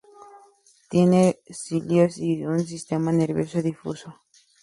Tiene cilios y un sistema nervioso difuso.